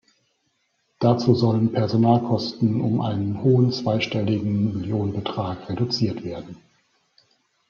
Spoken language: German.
Dazu sollten Personalkosten um einen hohen zweistelligen Millionenbetrag reduziert werden.